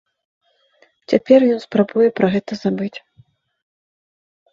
Цяпер ён спрабуе пра гэта забыць.